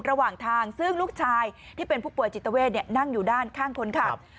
ระหว่างทางซึ่งลูกชายที่เป็นผู้ป่วยจิตเวทนั่งอยู่ด้านข้างคนขับ